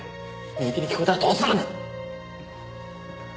深雪に聞こえたらどうするんだ。